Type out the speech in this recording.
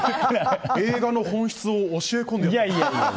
映画の本質を教え込んでる。